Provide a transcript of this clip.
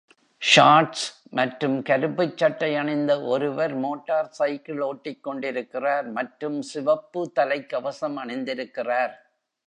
Shorts மற்றும் கருப்புச் சட்டை அணிந்த ஒருவர் மோட்டார்சைக்கிள் ஓட்டிக்கொண்டிருக்கிறார் மற்றும் சிவப்பு தலைக்கவசம் அணிந்திருக்கிறார்.